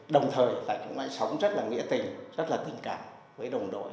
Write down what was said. đồng thời lại sống rất là nghĩa tình rất là tình cảm với đồng đội